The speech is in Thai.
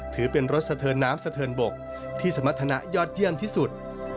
ถือเป็นรถสะเทินน้ำสะเทินบกที่สมรรถนะยอดเยี่ยมที่สุด